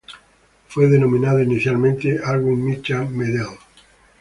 Fue denominado inicialmente "Alwin-Mittasch-Medaille".